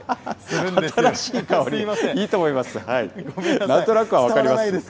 なんとなくは分かります。